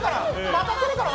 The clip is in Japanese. また来るから！